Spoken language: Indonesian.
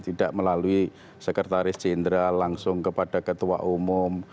tidak melalui sekretaris jenderal langsung kepada ketua umum